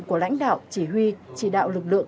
của lãnh đạo chỉ huy chỉ đạo lực lượng